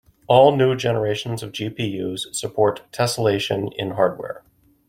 All new generations of GPUs support tesselation in hardware.